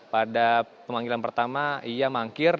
pada pemanggilan pertama ia mangkir